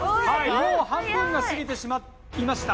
もう半分がすぎてしまいました。